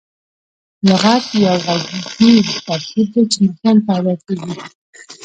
لغت یو ږغیز ترکیب دئ، چي مفهوم په اداء کیږي.